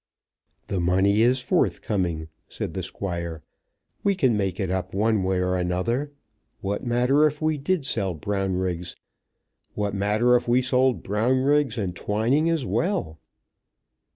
"The money is forthcoming," said the Squire. "We can make it up one way or another. What matter if we did sell Brownriggs? What matter if we sold Brownriggs and Twining as well?"